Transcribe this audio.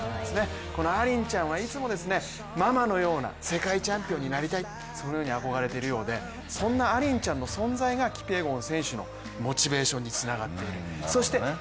このアリンちゃんはいつもママのような世界チャンピオンになりたいそのように憧れているようでそんなアリンちゃんの存在がキピエゴン選手のモチベーションにつながっている。